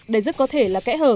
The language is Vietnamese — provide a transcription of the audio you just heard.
đây rất có thể là kẽ hở